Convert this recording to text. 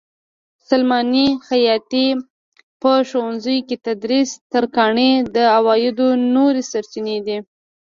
سلماني؛ خیاطي؛ په ښوونځیو کې تدریس؛ ترکاڼي د عوایدو نورې سرچینې دي.